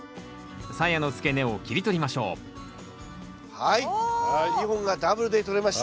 さやの付け根を切り取りましょうはい２本がダブルでとれました。